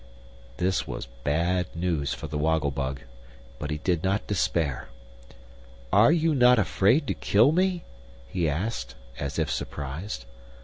This was bad news for the Woggle Bug; but he did not despair. "Are you not afraid to kill me?" he asked, as if surprised.